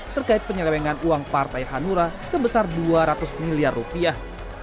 terkait penyelewengan uang partai hanura sebesar dua ratus miliar rupiah